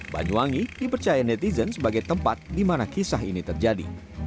banyuwangi dipercaya netizen sebagai tempat di mana kisah ini terjadi